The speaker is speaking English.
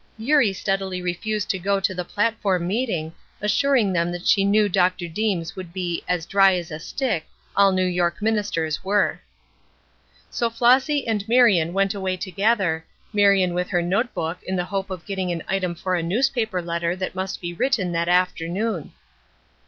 Eurie steadily refused to go to the platform meeting, assuring them that she knew Dr. Deems would be "as dry as a stick; all New York ministers were." So Flossy and Marion went away together, Marion with her note book in the hope of getting an item for a newspaper letter that must be written that afternoon.